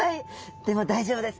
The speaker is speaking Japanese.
でも大丈夫です。